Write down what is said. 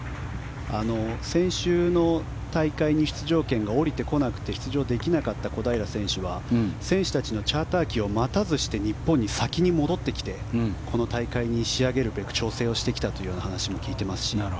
先週の大会に出場権が下りてこなくて出場できなかった小平選手は選手たちのチャーター機を待たずして日本に先に戻ってきてこの大会に仕上げるべく調整してきたという話も聞いていますし。